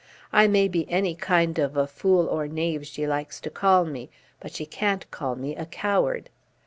I may be any kind of a fool or knave she likes to call me, but she can't call me a coward."